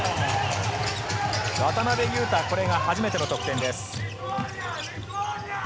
渡邊雄太、これが初めての得点です。